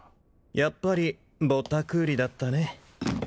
やっぱりボタクーリだったね